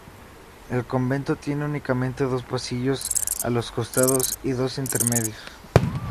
El convento tiene únicamente dos pasillos a los costados y dos intermedios.